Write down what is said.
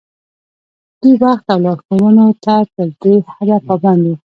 دوی وخت او لارښوونو ته تر دې حده پابند وو.